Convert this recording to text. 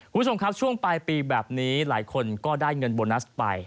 คุณผู้ชมครับช่วงปลายปีแบบนี้หลายคนก็ได้เงินโบนัสไป